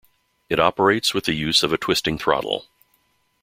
It operates with the use of a twisting throttle.